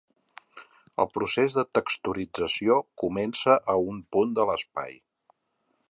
El procés de texturització comença a un punt de l'espai.